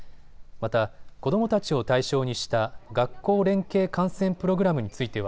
また、子どもたちを対象にした学校連携観戦プログラムについては